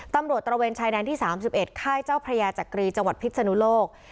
ตระเวนชายแดนที่๓๑ค่ายเจ้าพระยาจักรีจังหวัดพิษนุโลก